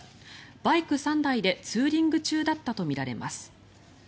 バイク３台でツーリング中だったとみられます。